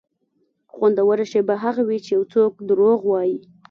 خوندوره شېبه هغه وي چې یو څوک دروغ وایي.